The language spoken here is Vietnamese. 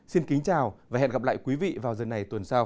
xin kính chào và hẹn gặp lại quý vị vào giờ này tuần sau